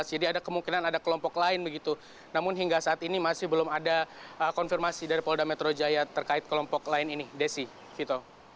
jadi ada kemungkinan ada kelompok lain begitu namun hingga saat ini masih belum ada konfirmasi dari polda metro jaya terkait kelompok lain ini desi fitom